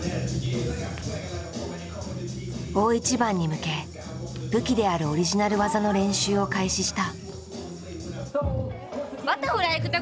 大一番に向け武器であるオリジナル技の練習を開始した。